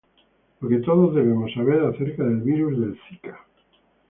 Lo que todos debemos saber acerca del virus del Zika.